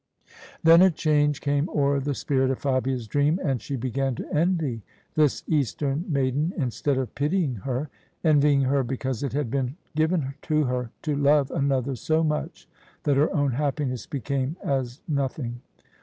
Then a change came o'er the spirit of Fabia's dream, and she began to envy this Eastern maiden instead of pitying her: envying her because it had been given to her to love another so much that her own happiness became as nothing.